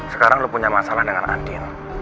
sekarang lo punya masalah dengan adil